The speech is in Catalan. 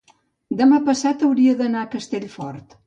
Demà passat hauria d'anar a Castellfort.